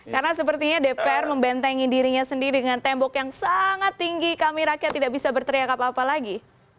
karena sepertinya dpr membentengi dirinya sendiri dengan tembok yang sangat tinggi kami rakyat tidak bisa berteriak apa apa lagi